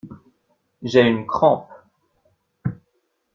J'ai une crampe.